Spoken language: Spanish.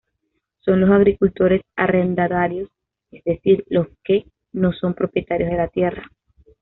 Son los agricultores arrendatarios, es decir, los que no son propietarios de la tierra.